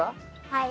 はい。